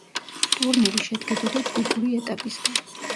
ტურნირი შედგებოდა ჯგუფური ეტაპისგან.